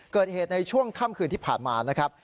เกิดเหตุในช่วงค่ำคืนที่ผ่านมานะครับ